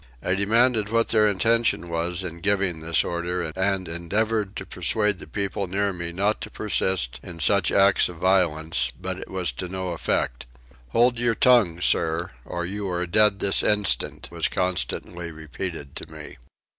I demanded what their intention was in giving this order and endeavoured to persuade the people near me not to persist in such acts of violence; but it was to no effect: "Hold your tongue, Sir, or you are dead this instant," was constantly repeated to me.